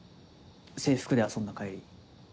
制服で遊んだ帰り。